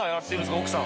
奥さん。